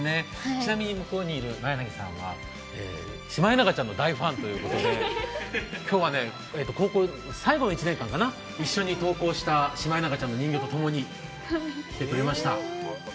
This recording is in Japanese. ちなみに向こうにいる眞柳さんはシマエナガちゃんの大ファンということで今日は高校最後の１年間かな一緒に登校したシマエナガちゃんの人形とともに来てくれました。